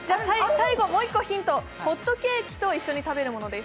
最後にもう１個ヒント、ホットケーキと一緒に食べるものです。